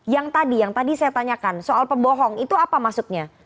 yang tadi yang tadi saya tanyakan soal pembohong itu apa maksudnya